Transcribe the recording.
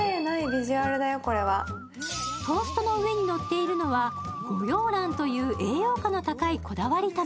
トーストの上にのっているのは御養卵という栄養価の高いこだわり卵。